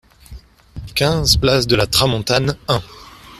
quinze place de la Tramontane un